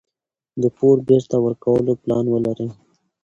د پور بیرته ورکولو پلان ولرئ.